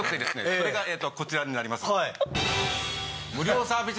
それがこちらになります。